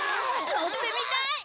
乗ってみたい！